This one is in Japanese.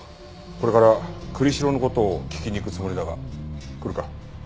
これから栗城の事を聞きに行くつもりだが来るか？